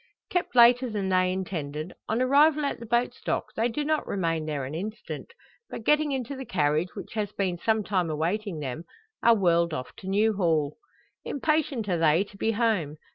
Kept later than they intended, on arrival at the boat's dock they do not remain there an instant; but, getting into the carriage, which has been some time awaiting them, are whirled off to New Hall. Impatient are they to be home.